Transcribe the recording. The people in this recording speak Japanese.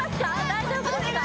大丈夫ですか？